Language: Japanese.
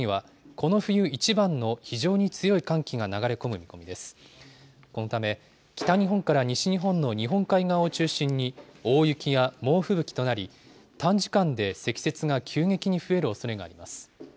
このため、北日本から西日本の日本海側を中心に、大雪や猛吹雪となり、短時間で積雪が急激に増えるおそれがあります。